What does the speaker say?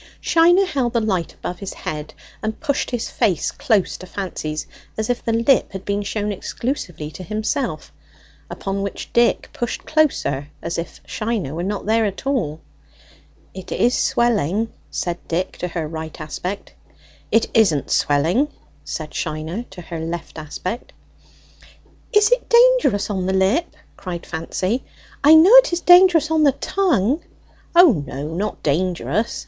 Shiner held the light above his head and pushed his face close to Fancy's, as if the lip had been shown exclusively to himself, upon which Dick pushed closer, as if Shiner were not there at all. "It is swelling," said Dick to her right aspect. "It isn't swelling," said Shiner to her left aspect. "Is it dangerous on the lip?" cried Fancy. "I know it is dangerous on the tongue." "O no, not dangerous!"